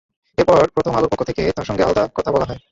এরপর প্রথম আলোর পক্ষ থেকে তাঁর সঙ্গে আলাদা কথা বলা হয়।